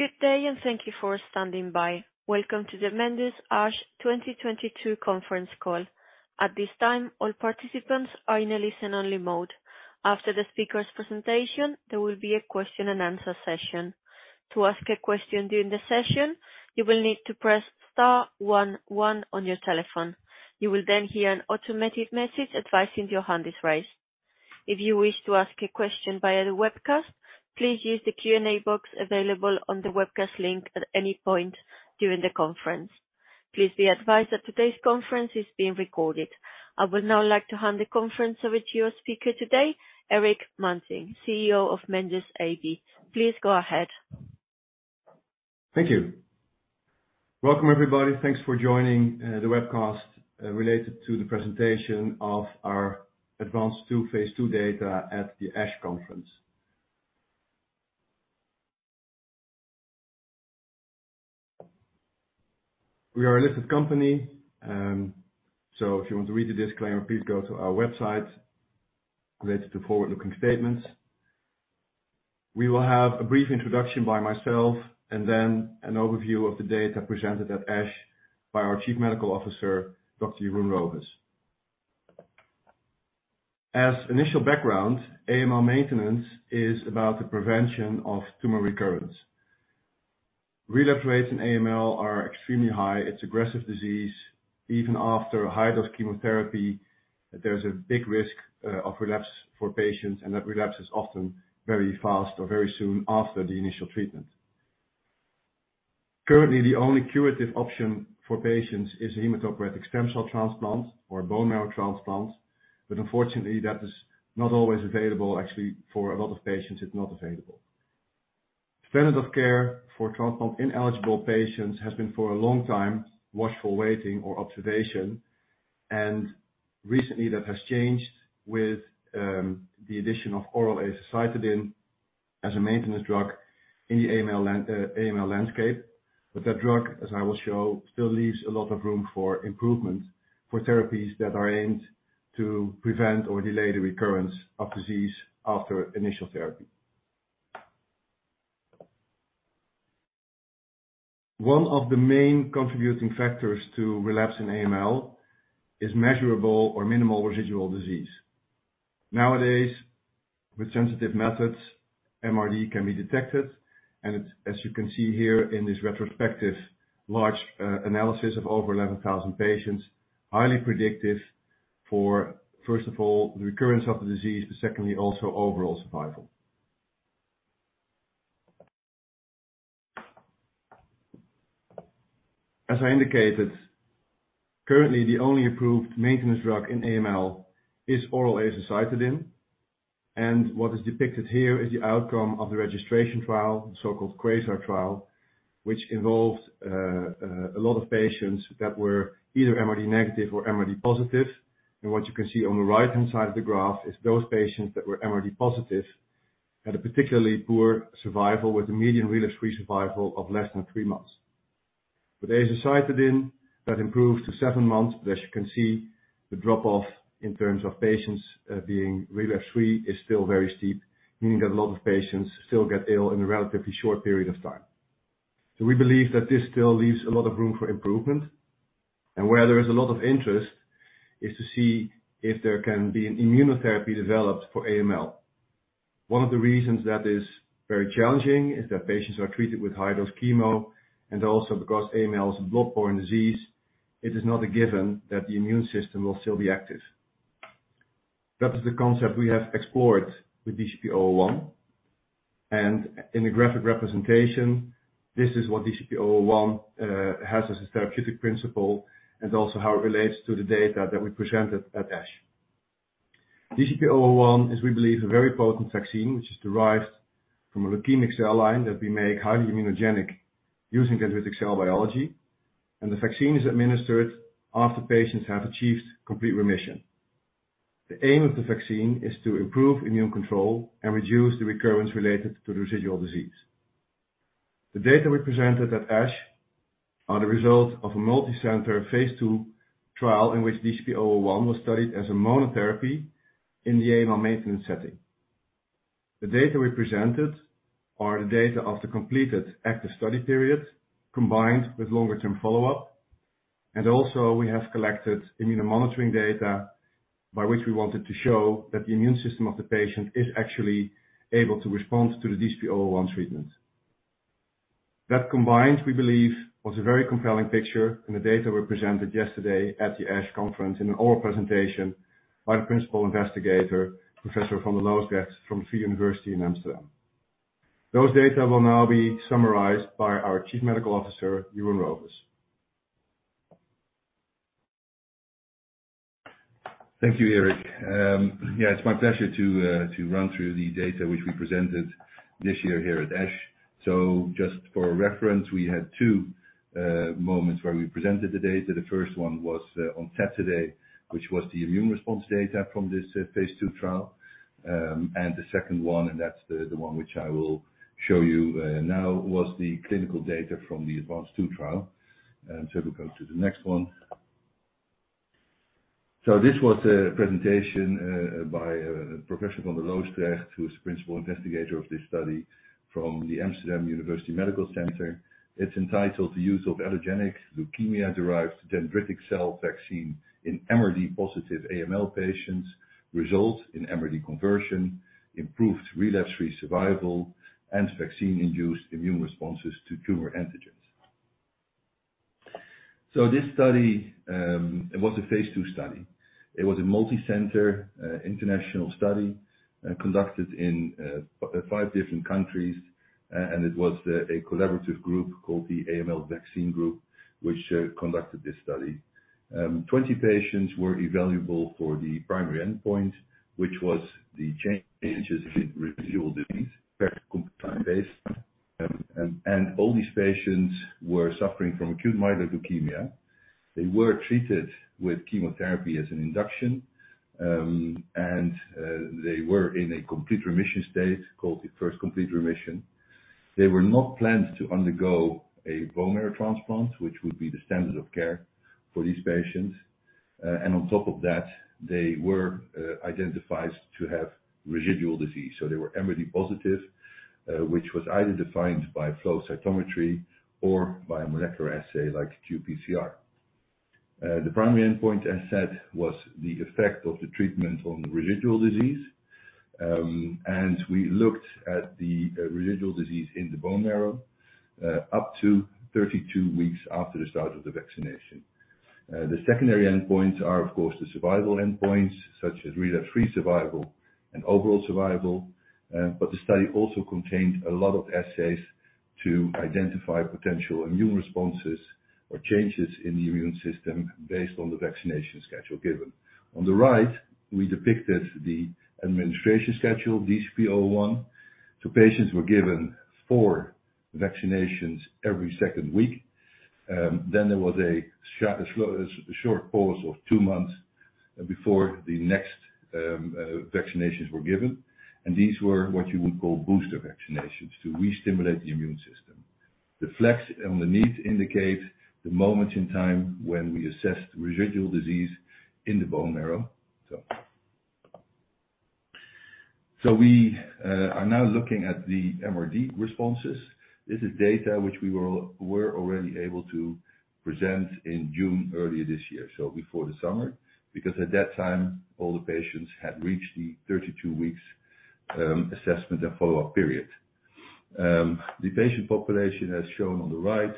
Good day. Thank you for standing by. Welcome to the Mendus ASH 2022 conference call. At this time, all participants are in a listen only mode. After the speaker's presentation, there will be a question-and-answer session. To ask a question during the session, you will need to press star one one on your telephone. You will hear an automated message advising your hand is raised. If you wish to ask a question via the webcast, please use the Q&A box available on the webcast link at any point during the conference. Please be advised that today's conference is being recorded. I would now like to hand the conference over to your speaker today, Erik Manting, CEO of Mendus AB. Please go ahead. Thank you. Welcome, everybody. Thanks for joining the webcast related to the presentation of our ADVANCE II phase II data at the ASH conference. We are a listed company, so if you want to read the disclaimer, please go to our website related to forward-looking statements. We will have a brief introduction by myself and then an overview of the data presented at ASH by our Chief Medical Officer, Dr. Jeroen Rovers. As initial background, AML maintenance is about the prevention of tumor recurrence. Relapse rates in AML are extremely high. It's aggressive disease. Even after a high dose chemotherapy, there's a big risk of relapse for patients, and that relapse is often very fast or very soon after the initial treatment. Currently, the only curative option for patients is hematopoietic stem cell transplant or bone marrow transplant, but unfortunately, that is not always available. Actually, for a lot of patients, it's not available. Standard of care for transplant-ineligible patients has been for a long time watchful waiting or observation, and recently that has changed with the addition of oral azacitidine as a maintenance drug in the AML landscape. That drug, as I will show, still leaves a lot of room for improvement for therapies that are aimed to prevent or delay the recurrence of disease after initial therapy. One of the main contributing factors to relapse in AML is measurable or minimal residual disease. Nowadays, with sensitive methods, MRD can be detected and as you can see here in this retrospective large analysis of over 11,000 patients, highly predictive for, first of all, the recurrence of the disease, but secondly, also overall survival. As I indicated, currently the only approved maintenance drug in AML is oral azacitidine, and what is depicted here is the outcome of the registration trial, the so-called QUAZAR trial, which involved a lot of patients that were either MRD negative or MRD positive. What you can see on the right-hand side of the graph is those patients that were MRD positive had a particularly poor survival with a median relapse-free survival of less than three months. With azacitidine, that improved to seven months, but as you can see, the drop-off in terms of patients being relapse-free is still very steep, meaning that a lot of patients still get ill in a relatively short period of time. We believe that this still leaves a lot of room for improvement. Where there is a lot of interest is to see if there can be an immunotherapy developed for AML. One of the reasons that is very challenging is that patients are treated with high-dose chemo and also because AML is a blood-borne disease, it is not a given that the immune system will still be active. That is the concept we have explored with DCP-001 and in the graphic representation, this is what DCP-001 has as a therapeutic principle and also how it relates to the data that we presented at ASH. DCP-001 is, we believe, a very potent vaccine which is derived from a leukemic cell line that we make highly immunogenic using genetic cell biology, and the vaccine is administered after patients have achieved complete remission. The aim of the vaccine is to improve immune control and reduce the recurrence related to residual disease. The data we presented at ASH are the result of a multicenter phase II trial in which DCP-001 was studied as a monotherapy in the AML maintenance setting. The data we presented are the data of the completed active study period combined with longer-term follow-up. Also we have collected immunomonitoring data by which we wanted to show that the immune system of the patient is actually able to respond to the DCP-001 treatment. That combined, we believe, was a very compelling picture in the data we presented yesterday at the ASH conference in an oral presentation by the principal investigator, Professor van de Loosdrecht from Vrije Universiteit in Amsterdam. Those data will now be summarized by our Chief Medical Officer, Jeroen Rovers. Thank you, Erik. Yeah, it's my pleasure to run through the data which we presented this year here at ASH. Just for reference, we had two moments where we presented the data. The first one was on Saturday, which was the immune response data from this phase II trial. And the second one, and that's the one which I will show you now, was the clinical data from the ADVANCE II trial. If we go to the next one. This was a presentation by Professor van de Loosdrecht, who is the principal investigator of this study from the Amsterdam University Medical Center. It's entitled The Use of Allogeneic Leukemia-Derived Dendritic Cell Vaccine in MRD-positive AML Patients: Results in MRD Conversion, Improved Relapse-free Survival and Vaccine-induced Immune Responses to Tumor Antigens. This study, it was a phase II study. It was a multi-center, international study, conducted in five different countries. It was a collaborative group called the AML Vaccine Group, which conducted this study. 20 patients were evaluable for the primary endpoint, which was the changes in residual disease compared to time base. All these patients were suffering from acute myeloid leukemia. They were treated with chemotherapy as an induction, and they were in a complete remission state, called the first complete remission. They were not planned to undergo a bone marrow transplant, which would be the standard of care for these patients. On top of that, they were identified to have residual disease. They were MRD positive, which was either defined by flow cytometry or by a molecular assay, like qPCR. The primary endpoint, as said, was the effect of the treatment on the residual disease. We looked at the residual disease in the bone marrow, up to 32 weeks after the start of the vaccination. The secondary endpoints are, of course, the survival endpoints such as relapse-free survival and overall survival. The study also contained a lot of assays to identify potential immune responses or changes in the immune system based on the vaccination schedule given. On the right, we depicted the administration schedule, DCP-001. Patients were given four vaccinations every second week. There was a short pause of two months before the next vaccinations were given, and these were what you would call booster vaccinations to restimulate the immune system. The flags underneath indicate the moment in time when we assessed residual disease in the bone marrow. We are now looking at the MRD responses. This is data which we were already able to present in June, earlier this year, so before the summer, because at that time all the patients had reached the 32 weeks assessment and follow-up period. The patient population, as shown on the right,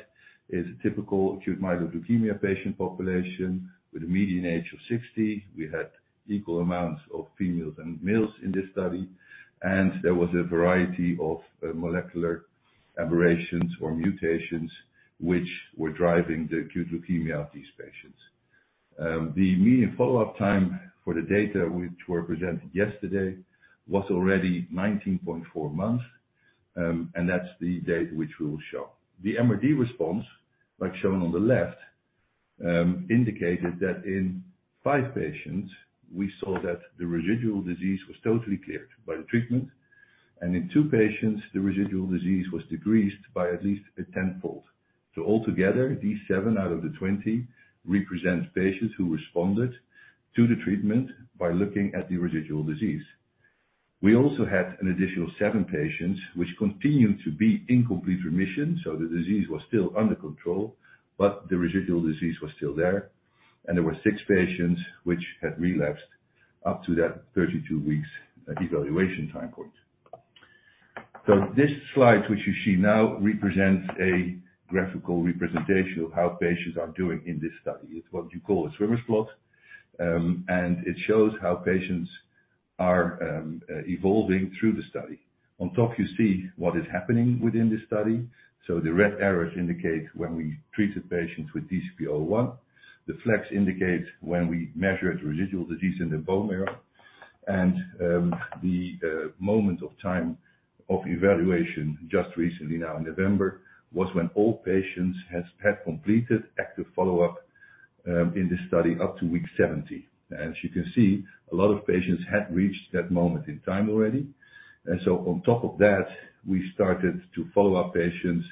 is a typical acute myeloid leukemia patient population with a median age of 60. We had equal amounts of females and males in this study, and there was a variety of molecular aberrations or mutations which were driving the acute leukemia of these patients. The median follow-up time for the data which were presented yesterday was already 19.4 months. That's the date which we will show. The MRD response, like shown on the left, indicated that in five patients we saw that the residual disease was totally cleared by the treatment, and in two patients the residual disease was decreased by at least a 10-fold. Altogether, these seven out of the 20 represent patients who responded to the treatment by looking at the residual disease. We also had an additional seven patients which continued to be in complete remission, so the disease was still under control, but the residual disease was still there. There were six patients which had relapsed up to that 32 weeks evaluation time point. This slide which you see now represents a graphical representation of how patients are doing in this study. It's what you call a swimmer plot, and it shows how patients are evolving through the study. On top you see what is happening within the study. The red arrows indicate when we treated patients with DCP-001. The flags indicate when we measured residual disease in the bone marrow. The moment of time of evaluation, just recently now in November, was when all patients has had completed active follow-up in this study up to week 70. As you can see, a lot of patients had reached that moment in time already. On top of that, we started to follow up patients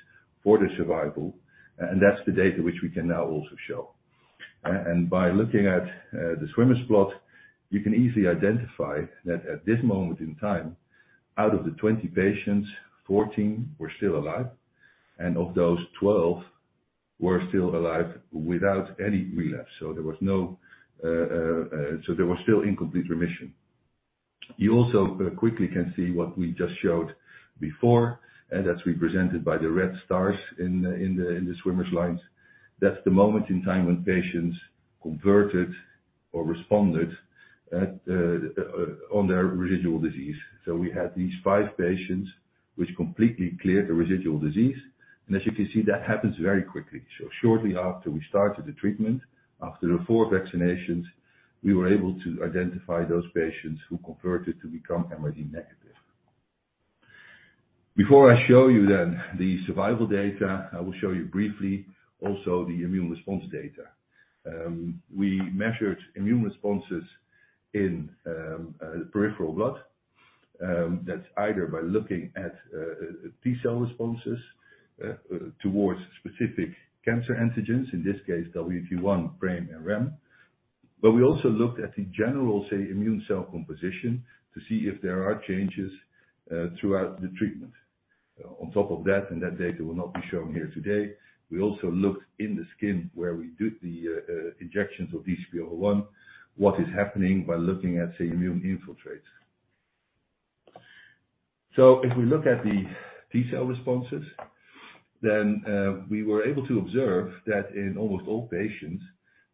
for their survival, and that's the data which we can now also show. By looking at the swimmer plot, you can easily identify that at this moment in time, out of the 20 patients, 14 were still alive, and of those, 12 were still alive without any relapse. There was no. They were still in complete remission. You also quickly can see what we just showed before, and that's represented by the red stars in the swimmer lines. That's the moment in time when patients converted or responded on their residual disease. We had these 5 patients which completely cleared the residual disease, and as you can see, that happens very quickly. Shortly after we started the treatment, after the four vaccinations, we were able to identify those patients who converted to become MRD negative. Before I show you then the survival data, I will show you briefly also the immune response data. We measured immune responses in peripheral blood. That's either by looking at T-cell responses towards specific cancer antigens, in this case WT1, PRAME, and RHAMM. We also looked at the general, say, immune cell composition to see if there are changes throughout the treatment. On top of that, and that data will not be shown here today, we also looked in the skin where we do the injections of DCP-001, what is happening by looking at the immune infiltrates. If we look at the T-cell responses, we were able to observe that in almost all patients,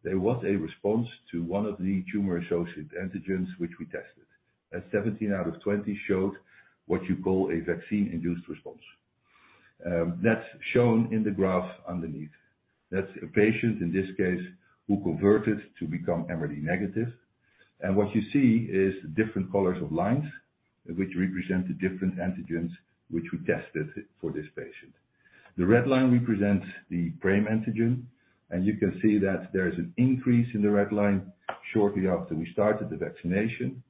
there was a response to one of the tumor-associated antigens which we tested, as 17 out of 20 showed what you call a vaccine-induced response. That's shown in the graph underneath. That's a patient, in this case, who converted to become MRD negative. What you see is different colors of lines which represent the different antigens which we tested for this patient. The red line represents the PRAME antigen, you can see that there is an increase in the red line shortly after we started the vaccination,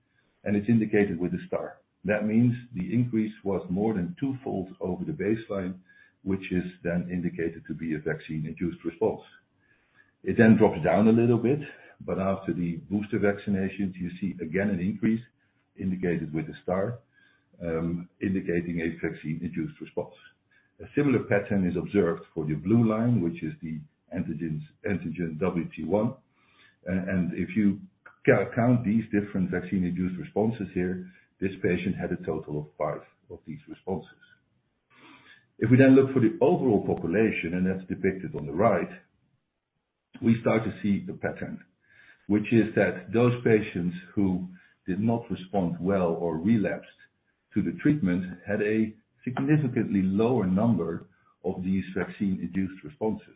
and it's indicated with a star. That means the increase was more than two-fold over the baseline, which is then indicated to be a vaccine-induced response. It then drops down a little bit. After the booster vaccinations, you see again an increase indicated with a star, indicating a vaccine-induced response. A similar pattern is observed for the blue line, which is the antigens, antigen WT1. If you co-count these different vaccine-induced responses here, this patient had a total of five of these responses. If we look for the overall population, that's depicted on the right, we start to see the pattern, which is that those patients who did not respond well or relapsed to the treatment had a significantly lower number of these vaccine-induced responses.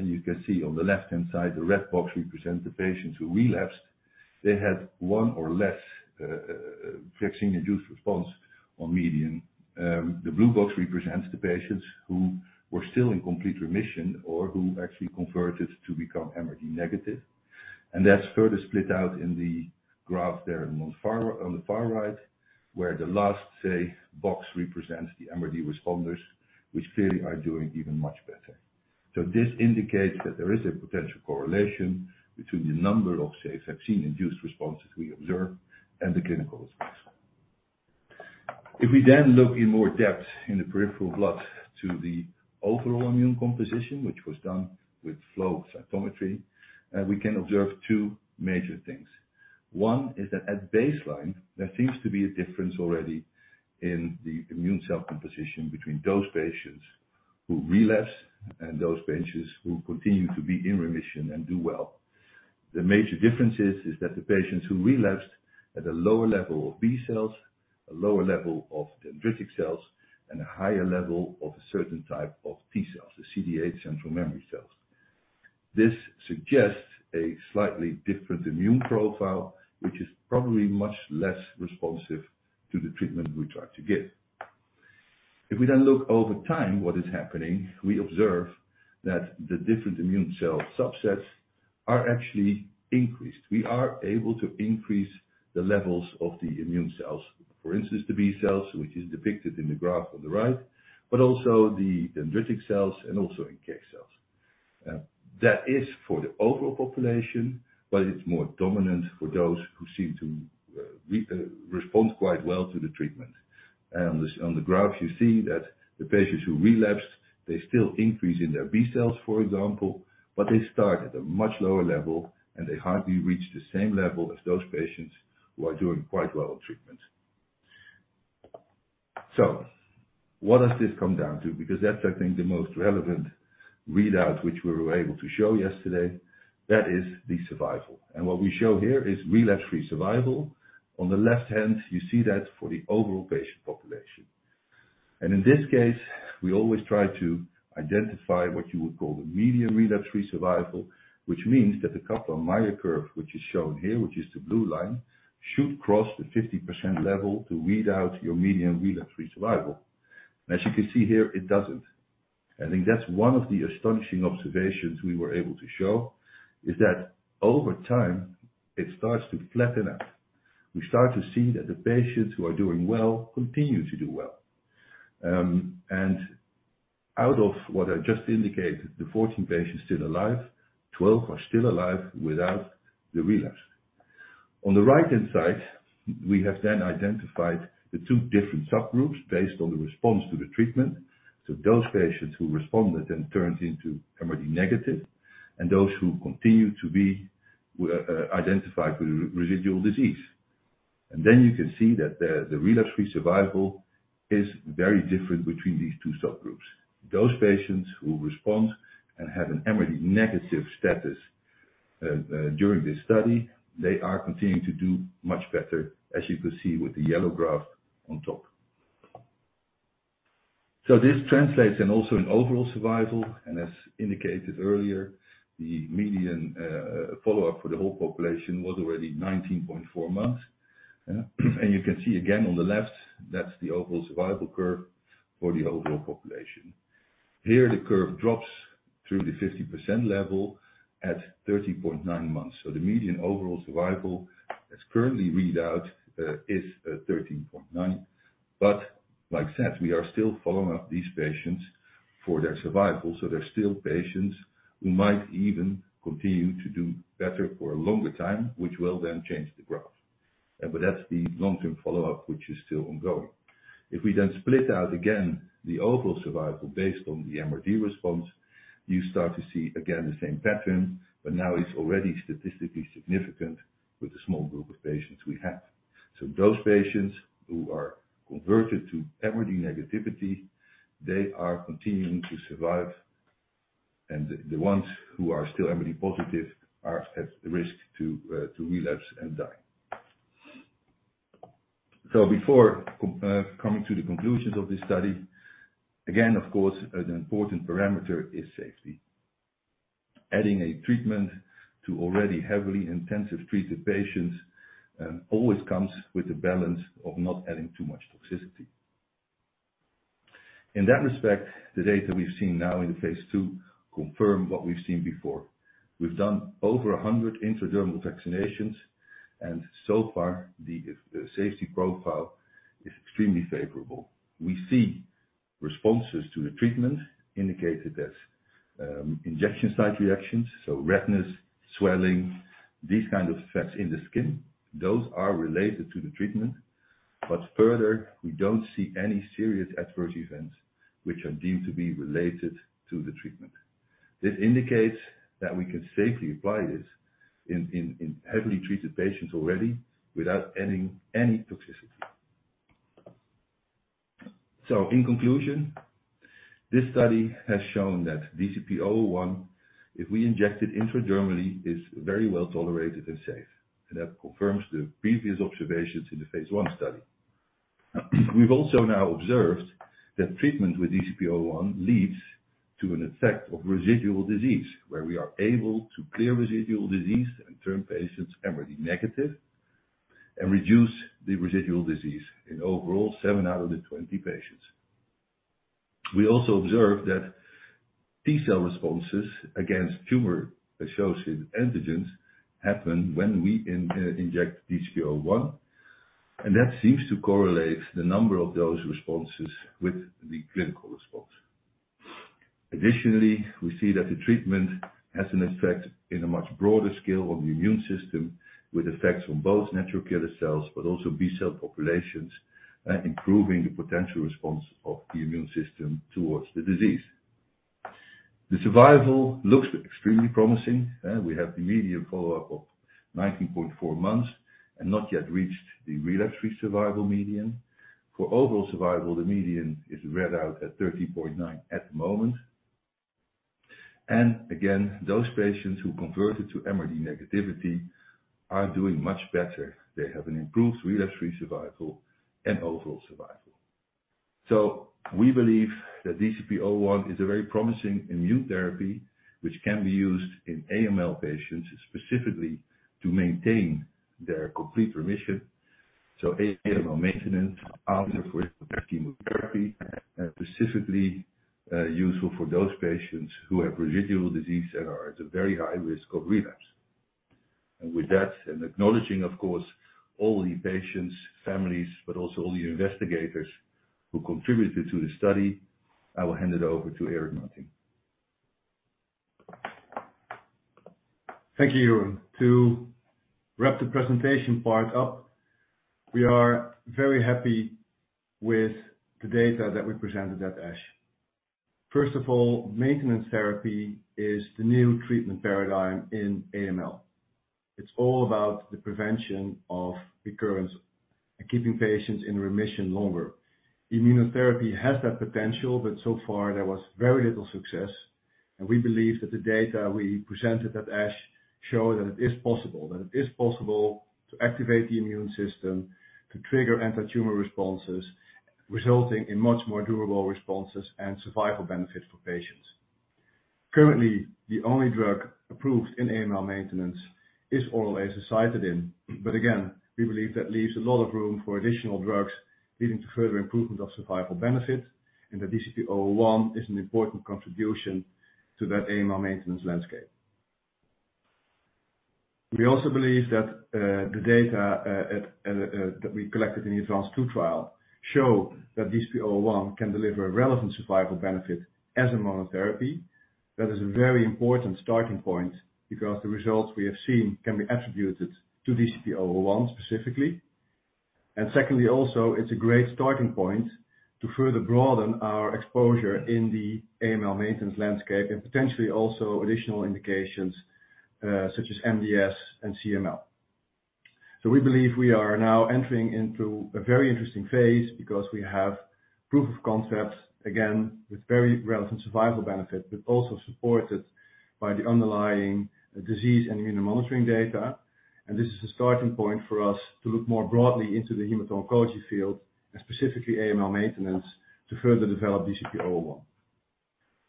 You can see on the left-hand side, the red box represents the patients who relapsed. They had one or less vaccine-induced response on median. The blue box represents the patients who were still in complete remission or who actually converted to become MRD negative. That's further split out in the graph there on the far right, where the last, say, box represents the MRD responders, which clearly are doing even much better. This indicates that there is a potential correlation between the number of, say, vaccine-induced responses we observe and the clinical response. If we then look in more depth in the peripheral blood to the overall immune composition, which was done with flow cytometry, we can observe two major things. One is that at baseline, there seems to be a difference already in the immune cell composition between those patients who relapse and those patients who continue to be in remission and do well. The major difference is that the patients who relapsed had a lower level of B cells, a lower level of dendritic cells, and a higher level of a certain type of T-cells, the CD8 central memory cells. This suggests a slightly different immune profile, which is probably much less responsive to the treatment we try to give. If we then look over time, what is happening, we observe that the different immune cell subsets are actually increased. We are able to increase the levels of the immune cells. For instance, the B cells, which is depicted in the graph on the right, but also the dendritic cells and also NK cells. That is for the overall population, but it's more dominant for those who seem to re-respond quite well to the treatment. On the graph you see that the patients who relapsed, they still increase in their B cells, for example, but they start at a much lower level, and they hardly reach the same level as those patients who are doing quite well on treatment. What does this come down to? Because that's, I think, the most relevant readout which we were able to show yesterday. That is the survival. What we show here is relapse-free survival. On the left hand, you see that for the overall patient population. In this case, we always try to identify what you would call the median relapse-free survival, which means that the Kaplan-Meier curve, which is shown here, which is the blue line, should cross the 50% level to read out your median relapse-free survival. As you can see here, it doesn't. I think that's one of the astonishing observations we were able to show, is that over time, it starts to flatten out. We start to see that the patients who are doing well continue to do well. Out of what I just indicated, the 14 patients still alive, 12 are still alive without the relapse. On the right-hand side, we have identified the two different subgroups based on the response to the treatment. Those patients who responded then turned into MRD negative, and those who continued to be identified with re-residual disease. You can see that the relapse-free survival is very different between these two subgroups. Those patients who respond and have an MRD negative status during this study, they are continuing to do much better, as you can see with the yellow graph on top. This translates in also in overall survival, and as indicated earlier, the median follow-up for the whole population was already 19.4 months. You can see again on the left, that's the overall survival curve for the overall population. Here the curve drops through the 50% level at 13.9 months. The median overall survival that's currently read out is 13.9. Like I said, we are still following up these patients for their survival, so there are still patients who might even continue to do better for a longer time, which will then change the graph. That's the long-term follow-up, which is still ongoing. We then split out again the overall survival based on the MRD response, you start to see again the same pattern, but now it's already statistically significant with a small group of patients we have. Those patients who are converted to MRD negativity, they are continuing to survive, and the ones who are still MRD positive are at risk to relapse and die. Before coming to the conclusions of this study, again, of course, an important parameter is safety. Adding a treatment to already heavily intensive treated patients, always comes with the balance of not adding too much toxicity. In that respect, the data we've seen now in the phase II confirm what we've seen before. We've done over 100 intradermal vaccinations, and so far the safety profile is extremely favorable. We see responses to the treatment indicated as injection site reactions, so redness, swelling, these kind of effects in the skin. Those are related to the treatment. Further, we don't see any serious adverse events which are deemed to be related to the treatment. This indicates that we can safely apply this in heavily treated patients already without adding any toxicity. In conclusion, this study has shown that DCP-001, if we inject it intradermally, is very well-tolerated and safe, and that confirms the previous observations in the phase I study. We've also now observed that treatment with DCP-001 leads to an effect of residual disease, where we are able to clear residual disease and turn patients MRD negative and reduce the residual disease in overall seven out of the 20 patients. We also observed that T-cell responses against tumor-associated antigens happen when we inject DCP-001, and that seems to correlate the number of those responses with the clinical response. We see that the treatment has an effect in a much broader scale on the immune system, with effects on both natural killer cells but also B-cell populations, improving the potential response of the immune system towards the disease. The survival looks extremely promising. We have the median follow-up of 19.4 months and not yet reached the relapse-free survival median. For overall survival, the median is read out at 13.9 at the moment. Again, those patients who converted to MRD negativity are doing much better. They have an improved relapse-free survival and overall survival. We believe that DCP-001 is a very promising immune therapy which can be used in AML patients specifically to maintain their complete remission. A, you know, maintenance after course of chemotherapy, specifically, useful for those patients who have residual disease and are at a very high risk of relapse. With that, and acknowledging, of course, all the patients, families, but also all the investigators who contributed to the study, I will hand it over to Erik Manting. Thank you, Jeroen. To wrap the presentation part up, we are very happy with the data that we presented at ASH. First of all, maintenance therapy is the new treatment paradigm in AML. It's all about the prevention of recurrence and keeping patients in remission longer. So far there was very little success, and we believe that the data we presented at ASH show that it is possible. That it is possible to activate the immune system to trigger anti-tumor responses, resulting in much more durable responses and survival benefits for patients. Currently, the only drug approved in AML maintenance is oral azacitidine. Again, we believe that leaves a lot of room for additional drugs leading to further improvement of survival benefit, and that DCP-001 is an important contribution to that AML maintenance landscape. We also believe that the data at that we collected in the ADVANCE II trial show that DCP-001 can deliver relevant survival benefit as a monotherapy. That is a very important starting point because the results we have seen can be attributed to DCP-001 specifically. Secondly, also, it's a great starting point to further broaden our exposure in the AML maintenance landscape and potentially also additional indications such as MDS and CML. We believe we are now entering into a very interesting phase because we have proof of concept, again, with very relevant survival benefit, but also supported by the underlying disease and immunomonitoring data. This is a starting point for us to look more broadly into the hematology field and specifically AML maintenance to further develop DCP-001.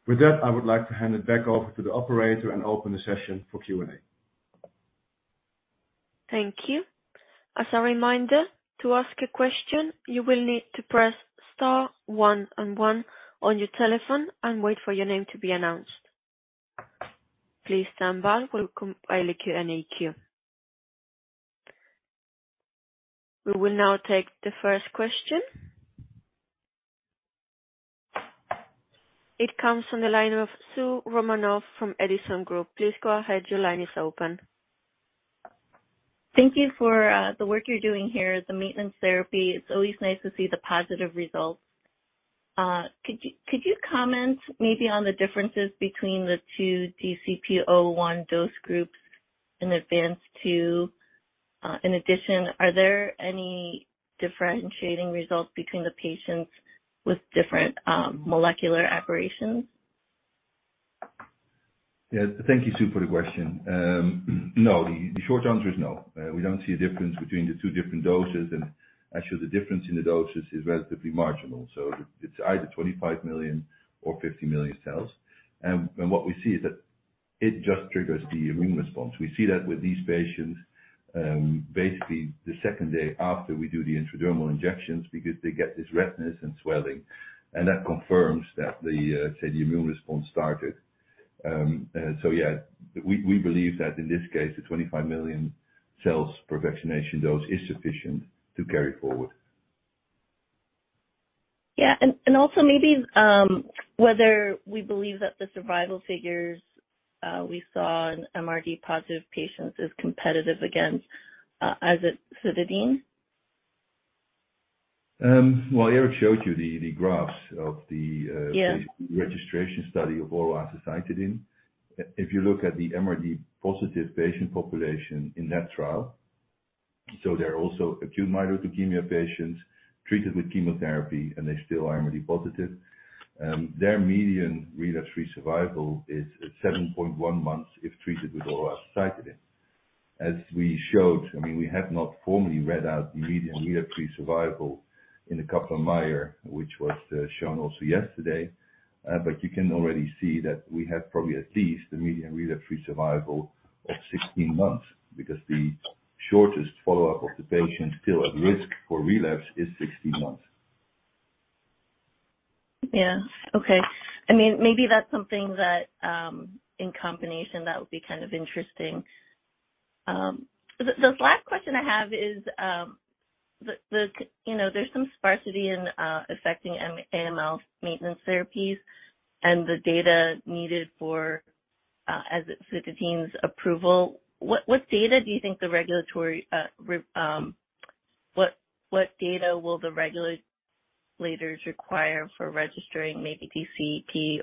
With that, I would like to hand it back over to the Operator and open the session for Q&A. Thank you. As a reminder, to ask a question, you will need to press star one and one on your telephone and wait for your name to be announced. Please stand by. We'll come by the Q&A queue. We will now take the first question. It comes from the line of Soo Romanoff from Edison Group. Please go ahead. Your line is open. Thank you for the work you're doing here, the maintenance therapy. It's always nice to see the positive results. Could you comment maybe on the differences between the two DCP-001 dose groups in ADVANCE II? In addition, are there any differentiating results between the patients with different molecular aberrations? Yeah. Thank you, Soo, for the question. No. The short answer is no. We don't see a difference between the two different doses, and actually, the difference in the doses is relatively marginal. It's either 25 million or 50 million cells. And what we see is that it just triggers the immune response. We see that with these patients, basically the second day after we do the intradermal injections because they get this redness and swelling, and that confirms that the immune response started. Yeah, we believe that in this case, the 25 million cells per vaccination dose is sufficient to carry forward. Yeah. Also maybe, whether we believe that the survival figures we saw in MRD positive patients is competitive against azacitidine. Well, Erik showed you the graphs of the. Yeah. -the registration study of oral azacitidine. If you look at the MRD positive patient population in that trial, so there are also acute myeloid leukemia patients treated with chemotherapy, and they still are MRD positive. Their median relapse-free survival is 7.1 months if treated with oral azacitidine. As we showed, I mean, we have not formally read out the median relapse-free survival in the Kaplan-Meier, which was shown also yesterday. You can already see that we have probably at least the median relapse-free survival of 16 months because the shortest follow-up of the patient still at risk for relapse is 16 months. Yeah. Okay. I mean, maybe that's something that, in combination, that would be kind of interesting. The last question I have is, you know, there's some sparsity in affecting AML maintenance therapies and the data needed for azacitidine's approval. What data will the regulators require for registering maybe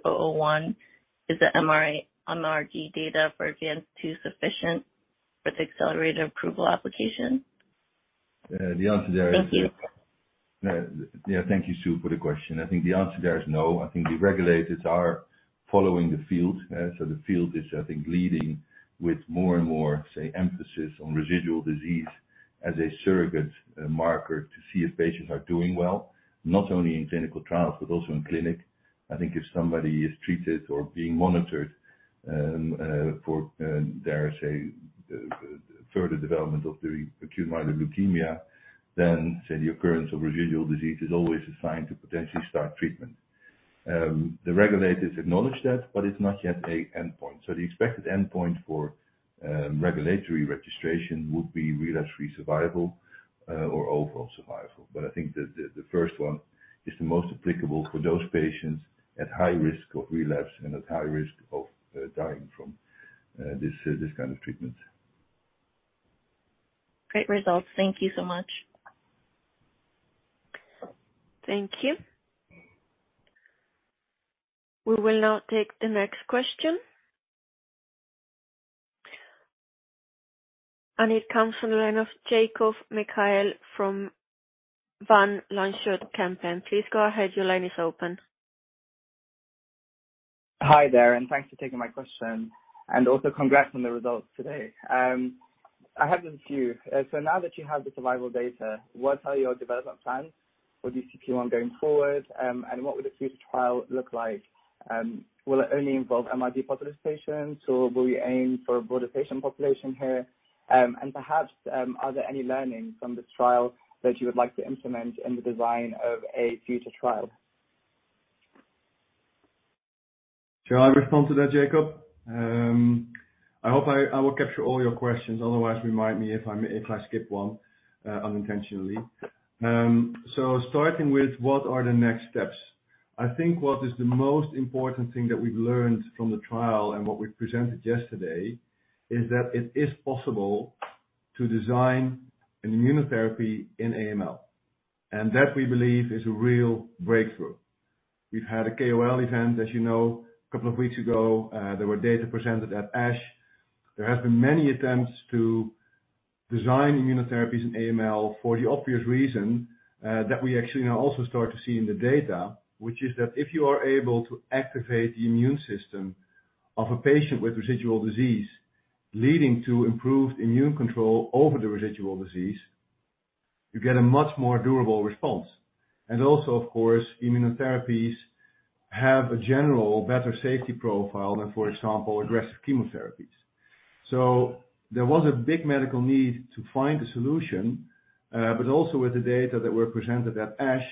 DCP-001? Is the MRD data for ADVANCE II sufficient for the accelerated approval application? The answer there. Thank you. Thank you, Soo, for the question. I think the answer there is no. I think the regulators are following the field. The field is, I think, leading with more and more, say, emphasis on residual disease as a surrogate marker to see if patients are doing well, not only in clinical trials but also in clinic. I think if somebody is treated or being monitored for, dare I say, further development of the acute myeloid leukemia, say, the occurrence of residual disease is always a sign to potentially start treatment. The regulators acknowledge that, it's not yet a endpoint. The expected endpoint for regulatory registration would be relapse-free survival or overall survival. I think the first one is the most applicable for those patients at high risk of relapse and at high risk of dying from this kind of treatment. Great results. Thank you so much. Thank you. We will now take the next question. It comes from the line of Jacob Mekhael from Van Lanschot Kempen. Please go ahead. Your line is open. Hi there, thanks for taking my question. Also congrats on the results today. I have a few. Now that you have the survival data, what are your development plans for DCP-001 going forward? What would a future trial look like? Will it only involve MRD positive patients, or will you aim for a broader patient population here? Perhaps, are there any learnings from this trial that you would like to implement in the design of a future trial? Shall I respond to that, Jacob? I hope I will capture all your questions. Otherwise, remind me if I'm, if I skip one unintentionally. Starting with what are the next steps, I think what is the most important thing that we've learned from the trial and what we presented yesterday is that it is possible to design an immunotherapy in AML, and that, we believe, is a real breakthrough. We've had a KOL event, as you know. A couple of weeks ago, there were data presented at ASH. There have been many attempts to design immunotherapies in AML for the obvious reason, that we actually now also start to see in the data, which is that if you are able to activate the immune system of a patient with residual disease leading to improved immune control over the residual disease... You get a much more durable response. Also, of course, immunotherapies have a general better safety profile than, for example, aggressive chemotherapies. There was a big medical need to find a solution, but also with the data that were presented at ASH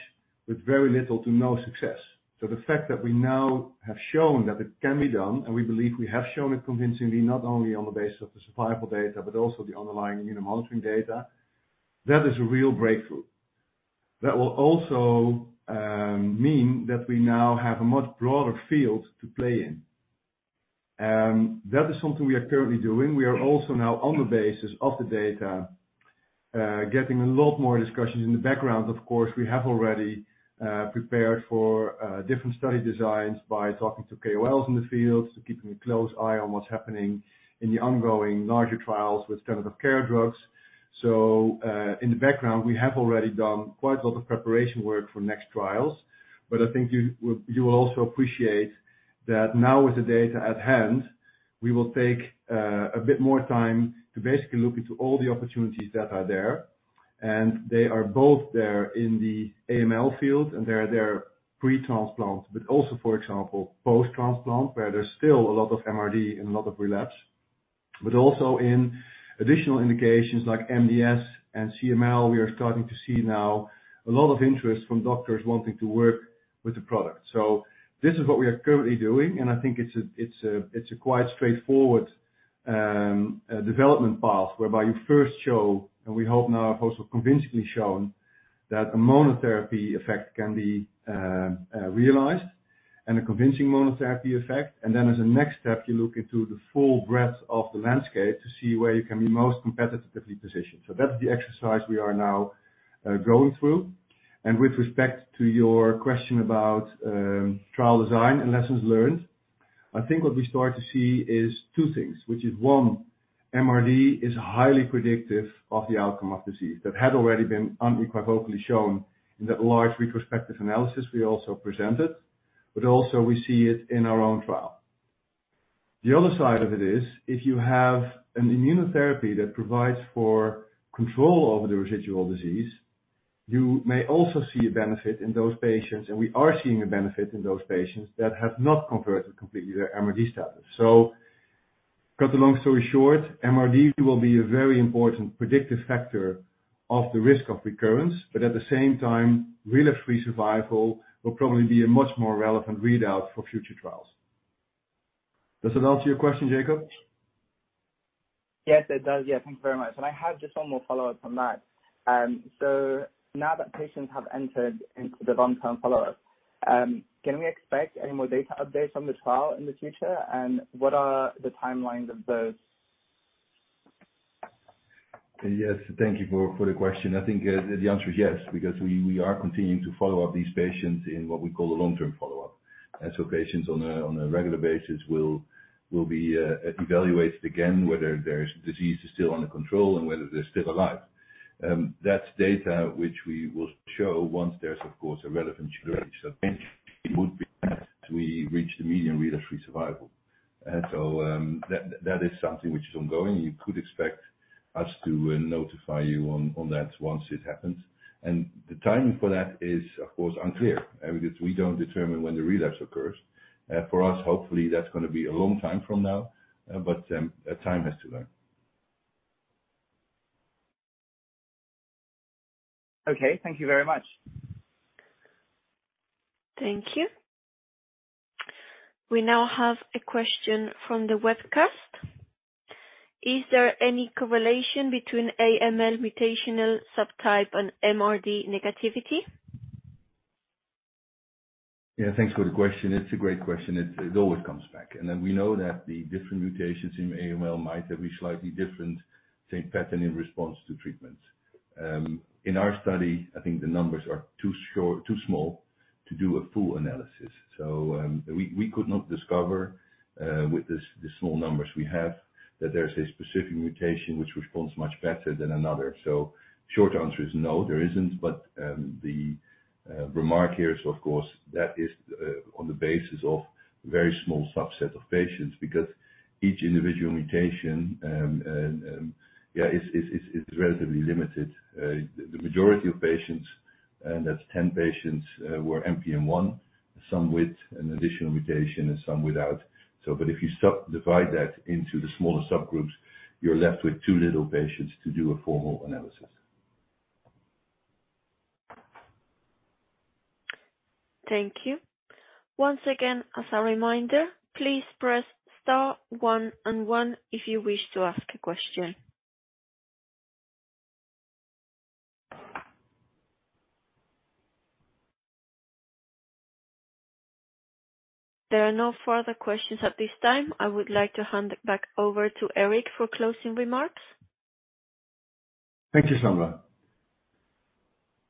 with very little to no success. The fact that we now have shown that it can be done, and we believe we have shown it convincingly, not only on the basis of the survival data, but also the underlying immunomonitoring data, that is a real breakthrough. That will also mean that we now have a much broader field to play in. That is something we are currently doing. We are also now on the basis of the data, getting a lot more discussions. In the background, of course, we have already prepared for different study designs by talking to KOLs in the field, keeping a close eye on what's happening in the ongoing larger trials with standard of care drugs. In the background, we have already done quite a lot of preparation work for next trials, but I think you will, you will also appreciate that now with the data at hand, we will take a bit more time to basically look into all the opportunities that are there, and they are both there in the AML field and they are there pre-transplant, but also, for example, post-transplant, where there's still a lot of MRD and a lot of relapse. Also in additional indications like MDS and CML, we are starting to see now a lot of interest from doctors wanting to work with the product. This is what we are currently doing, and I think it's a quite straightforward development path, whereby you first show, and we hope now have also convincingly shown, that a monotherapy effect can be realized and a convincing monotherapy effect. As a next step, you look into the full breadth of the landscape to see where you can be most competitively positioned. That's the exercise we are now going through. With respect to your question about trial design and lessons learned, I think what we start to see is two things, which is, one, MRD is highly predictive of the outcome of disease. That had already been unequivocally shown in that large retrospective analysis we also presented, but also we see it in our own trial. The other side of it is, if you have an immunotherapy that provides for control over the residual disease, you may also see a benefit in those patients, and we are seeing a benefit in those patients that have not converted completely their MRD status. Cut a long story short, MRD will be a very important predictive factor of the risk of recurrence, but at the same time, relapse-free survival will probably be a much more relevant readout for future trials. Does that answer your question, Jacob? Yes, it does. Yeah, thank you very much. I have just one more follow-up on that. Now that patients have entered into the long-term follow-up, can we expect any more data updates from the trial in the future? What are the timelines of those? Yes. Thank you for the question. I think the answer is yes, because we are continuing to follow up these patients in what we call the long-term follow-up. patients on a regular basis will be evaluated again, whether their disease is still under control and whether they're still alive. That's data which we will show once there's, of course, a relevant It would be best we reach the median relapse-free survival. that is something which is ongoing. You could expect us to notify you on that once it happens. The timing for that is, of course, unclear, because we don't determine when the relapse occurs. For us, hopefully, that's gonna be a long time from now, but time has to learn. Okay. Thank you very much. Thank you. We now have a question from the webcast. Is there any correlation between AML mutational subtype and MRD negativity? Thanks for the question. It's a great question. It always comes back. We know that the different mutations in AML might have a slightly different, say, pattern in response to treatments. In our study, I think the numbers are too small to do a full analysis. We, we could not discover with the small numbers we have that there's a specific mutation which responds much better than another. Short answer is no, there isn't. The remark here is, of course, that is on the basis of very small subset of patients because each individual mutation is relatively limited. The majority of patients, and that's 10 patients, were NPM1, some with an additional mutation and some without. If you sub-divide that into the smaller subgroups, you're left with too little patients to do a formal analysis. Thank you. Once again, as a reminder, please press star one and one if you wish to ask a question. There are no further questions at this time. I would like to hand it back over to Erik for closing remarks. Thank you, Sandra.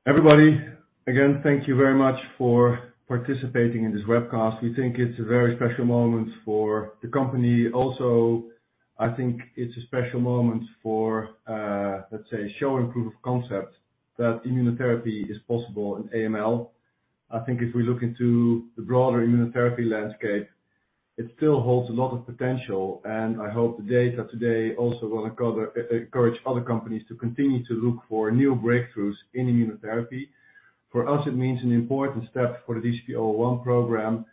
Everybody, again, thank you very much for participating in this webcast. We think it's a very special moment for the company. Also, I think it's a special moment for, let's say, showing proof of concept that immunotherapy is possible in AML. I think if we look into the broader immunotherapy landscape, it still holds a lot of potential, and I hope the data today also encourage other companies to continue to look for new breakthroughs in immunotherapy. For us, it means an important step for the DCOne program.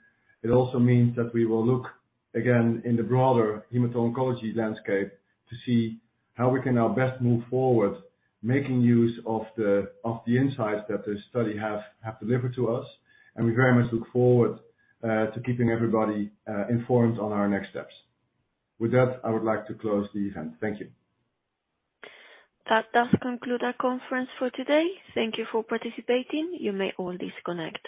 It also means that we will look again in the broader hemato-oncology landscape to see how we can now best move forward, making use of the insights that this study have delivered to us. We very much look forward to keeping everybody informed on our next steps. With that, I would like to close the event. Thank you. That does conclude our conference for today. Thank you for participating. You may all disconnect.